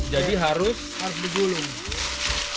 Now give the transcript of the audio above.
yang bisa berujung pada kematian masal